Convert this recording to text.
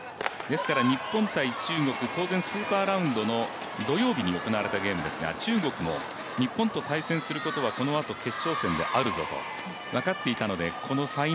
スーパーラウンドの土曜日に行われたゲームですが中国も日本と対戦することはこのあと、決勝戦であるぞと分かっていたのでこの柴イ